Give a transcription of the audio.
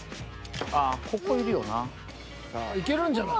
ああここいるよな。